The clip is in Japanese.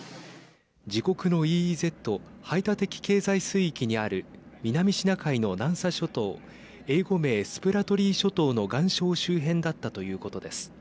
自国のＥＥＺ＝排他的経済水域にある南シナ海の南沙諸島英語名、スプラトリー諸島の岩礁周辺だったということです。